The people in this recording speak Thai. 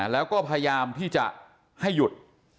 แล้วก็พยายามที่จะให้หยุด